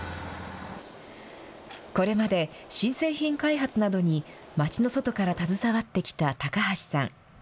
これまで新製品開発などに、町の外から携わってきた高橋さん。